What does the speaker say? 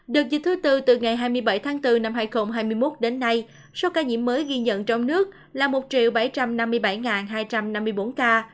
đợt dịch thứ tư từ ngày hai mươi bảy tháng bốn năm hai nghìn hai mươi một đến nay số ca nhiễm mới ghi nhận trong nước là một bảy trăm năm mươi bảy hai trăm năm mươi bốn ca